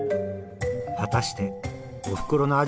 果たしておふくろの味